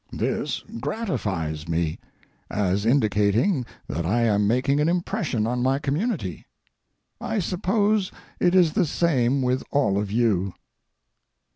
This gratifies me, as indicating that I am making an impression on my community. I suppose it is the same with all of you.